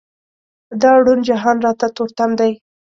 دا روڼ جهان راته تور تم دی.